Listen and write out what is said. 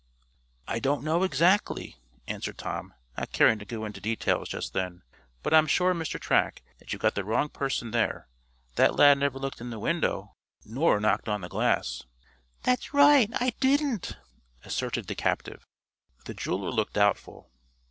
"I don't know exactly," answered Tom, not caring to go into details just then. "But I'm sure, Mr. Track, that you've got the wrong person there. That lad never looked in the window, nor knocked on the glass." "That's right I didn't," asserted the captive. The jeweler looked doubtful.